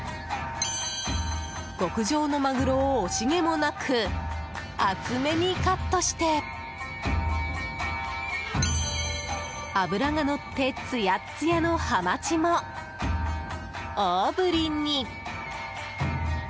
極上のマグロを惜しげもなく厚めにカットして脂がのってつやっつやのハマチも大振りに。